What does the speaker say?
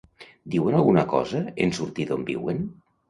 Diuen alguna cosa en sortir d'on viuen?